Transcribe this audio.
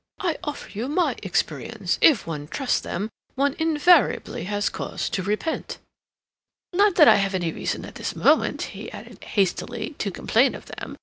I offer you my experience—if one trusts them one invariably has cause to repent. Not that I have any reason at this moment," he added hastily, "to complain of them.